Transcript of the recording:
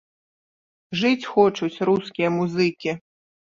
Жыць хочуць рускія музыкі!